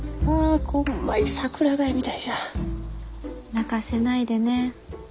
泣かせないでね。